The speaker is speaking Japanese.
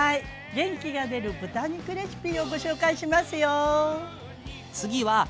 元気が出る豚肉レシピをご紹介しますよ。